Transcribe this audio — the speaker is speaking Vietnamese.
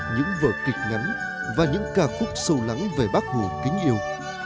những vở kịch ngắn và những ca khúc sâu lắng về bác hồ kính yêu